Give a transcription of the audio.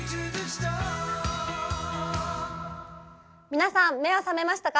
皆さん目は覚めましたか？